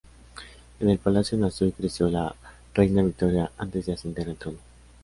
En el palacio nació y creció la reina Victoria antes de ascender al trono.